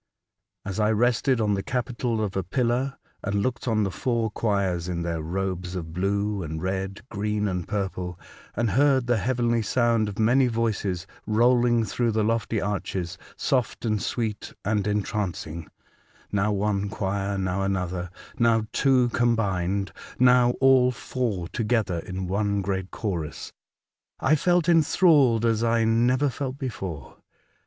As I rested on the capital of a pillar and looked on the four choirs, in their robes of blue and red, green and purple, and heard the heavenly sound of many voices rolling through the lofty arches, soft and sweet and entrancing — now one choir, now another, now two combined, now all four together in one great chorus — I felt enthralled as I never felt before.